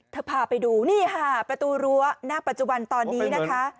พาไปดูนี่ค่ะประตูรั้วหน้าปัจจุบันตอนนี้นะคะ